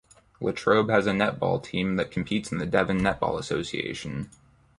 Latrobe has a netball team that competes in the Devon Netball Association.